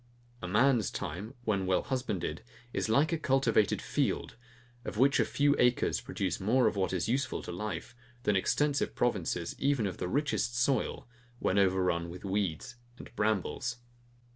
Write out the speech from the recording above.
A man's time, when well husbanded, is like a cultivated field, of which a few acres produce more of what is useful to life, than extensive provinces, even of the richest soil, when over run with weeds and brambles.